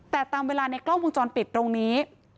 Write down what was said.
แต่ตามเวลาในกล้องวงจรปิดตรงนี้